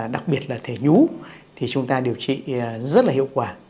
đặc biệt là thể nhú thì chúng ta điều trị rất là hiệu quả